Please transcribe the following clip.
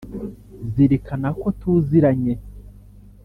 zirikana ko tuziranye